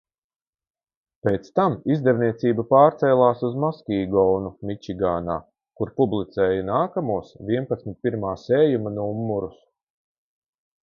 Pēc tam izdevniecība pārcēlās uz Maskīgonu, Mičiganā, kur publicēja nākamos vienpadsmit pirmā sējuma numurus.